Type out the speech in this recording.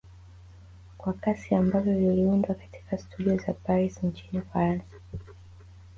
Kwa kasi ambavyo viliundwa katika studio za Paris nchini Ufaransa